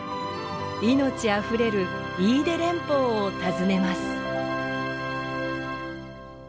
命あふれる飯豊連峰を訪ねます。